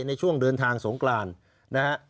ในช่วงเดินทางสงกรานนะฮะ